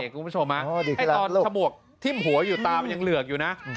คุณผู้ชมตอนฉมวกทิ้มหัวอยู่ตามันยังเหลือกอยู่นะ